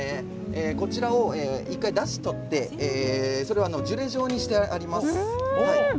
こちらを１回、だしをとってそれをジュレ状にしてあります。